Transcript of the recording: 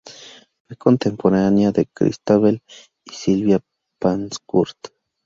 Fue contemporánea de Christabel y Sylvia Pankhurst.